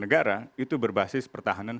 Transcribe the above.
negara itu berbasis pertahanan